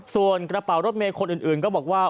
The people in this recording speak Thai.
ส่วนกระเป๋ารถเมย์คนอื่นก็บอกว่า